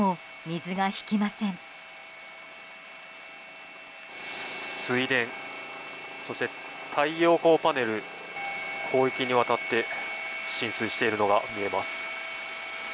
水田、そして太陽光パネル広域にわたって浸水しているのが見えます。